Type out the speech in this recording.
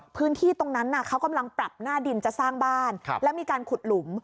พื้นที่ตรงนั้นเขากำลังปรับหน้าดินจะสร้างบ้านแล้วมีการขุดหลุม